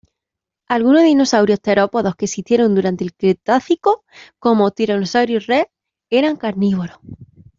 Algunos dinosaurios terópodos que existieron durante el Cretácico, como "Tyrannosaurus rex", eran carnívoros.